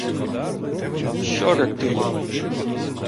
— Що ректи йому?